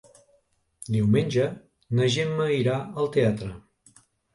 Diumenge na Gemma irà al teatre.